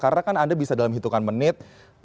karena kan anda bisa dalam hitungan menit